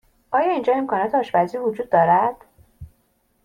آیا اینجا امکانات آشپزی وجود دارد؟